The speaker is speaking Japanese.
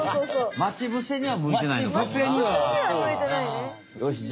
待ち伏せにはむいてないね。